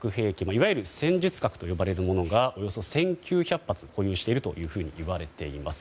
いわゆる戦術核といわれるものをおよそ１９００発保有しているといわれています。